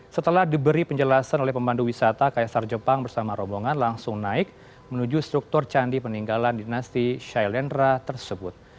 setelah diberi penjelasan oleh pemandu wisata kaisar jepang bersama rombongan langsung naik menuju struktur candi peninggalan dinasti shailendra tersebut